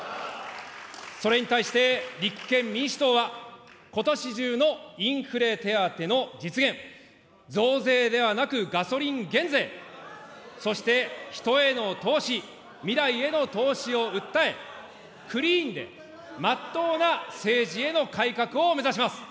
それに対して、立憲民主党は、ことし中のインフレ手当の実現、増税ではなく、ガソリン減税、そして人への投資、未来への投資を訴え、クリーンでまっとうな政治への改革を目指します。